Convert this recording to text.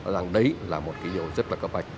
rằng đấy là một cái điều rất là cấp vạch